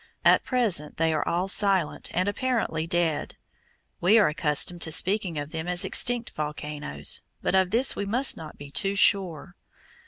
At present they are all silent and apparently dead. We are accustomed to speak of them as extinct volcanoes, but of this we must not be too sure.